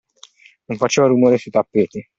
Non faceva rumore, sui tappeti.